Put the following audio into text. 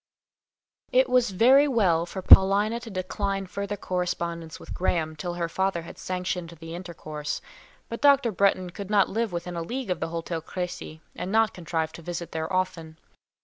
It was very well for Paulina to decline further correspondence with Graham till her father had sanctioned the intercourse. But Dr. Bretton could not live within a league of the Hôtel Crécy, and not contrive to visit there often.